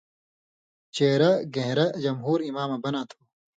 چېرہ گھېن٘رہ (جمہور امامہ) بناں تھو